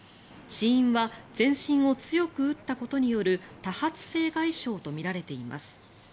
死因は全身を強く打ったことによる多発性外傷とみられています。